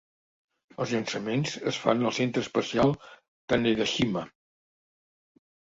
Els llançaments es fan al centre espacial Tanegashima.